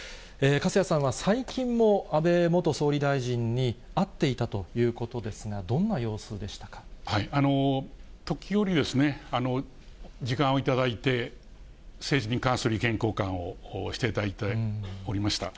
粕谷さんは最近も、安倍元総理大臣に会っていたということですが、時折、時間を頂いて、政治に関する意見交換をしていただいておりました。